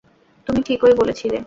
তুমি ঠিকই বলেছিলে!